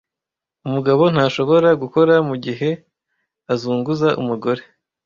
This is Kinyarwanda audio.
umugabo ntashobora gukora mugihe azunguza umugore